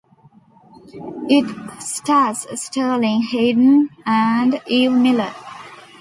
It stars Sterling Hayden and Eve Miller.